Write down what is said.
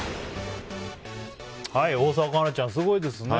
大沢一菜ちゃん、すごいですね。